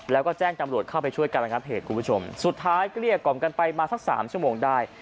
แล้วก็แจ้งจำรวจเข้าไปช่วยการระงับเหตุคุณผู้ชมสุดท้ายเกลี้ยกล่อมกันไปมาสักสามชั่วโมงได้